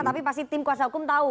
tapi pasti tim kuasa hukum tahu